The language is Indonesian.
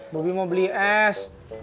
bobi mau beli es